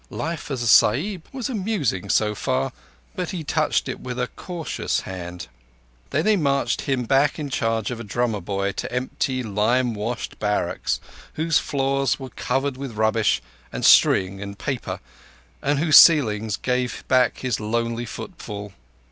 Life as a Sahib was amusing so far; but he touched it with a cautious hand. Then they marched him back in charge of a drummer boy to empty, lime washed barracks, whose floors were covered with rubbish and string and paper, and whose ceilings gave back his lonely footfall.